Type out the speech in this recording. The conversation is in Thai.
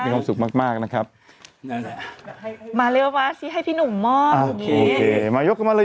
มีความสุขมากนะครับมาเร็วสิให้พี่หนุ่มมอบโอเคมายกกันมาเลย